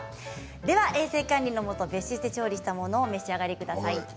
では衛生管理のもと別室で調理したものをお召し上がりください。